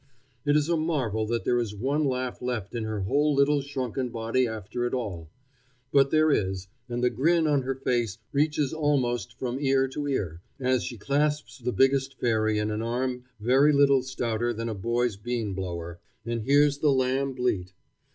It is a marvel that there is one laugh left in her whole little shrunken body after it all; but there is, and the grin on her face reaches almost from ear to ear, as she clasps the biggest fairy in an arm very little stouter than a boy's bean blower, and hears the lamb bleat.